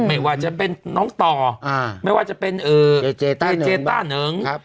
ไม่ว่าจะเป็นน้องตอเจต้านึง